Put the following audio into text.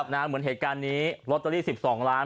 เหมือนเหตุการณ์นี้ลอตเตอรี่๑๒ล้าน